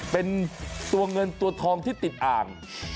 เป็นตัวเงินตัวทองที่ติดอ่าง